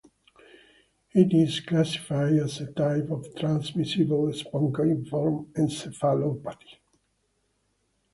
It is classified as a type of transmissible spongiform encephalopathy.